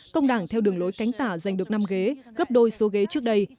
công đảng theo đường lối cánh tả giành được năm ghế gấp đôi số ghế trước đây